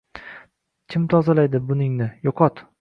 “Kim tozalaydi buningni, yo’qot”